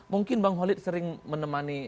mungkin bang holid sering menemani